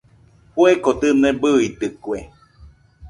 Fueko dɨne bɨidɨkue.